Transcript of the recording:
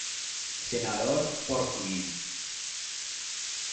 Senador por Junín.